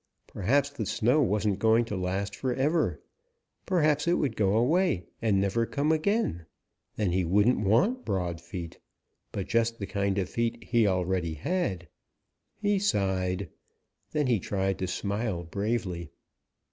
Perhaps the snow wasn't going to last forever. Perhaps it would go away and never come again. Then he wouldn't want broad feet, but just the kind of feet he already had. He sighed. Then he tried to smile bravely.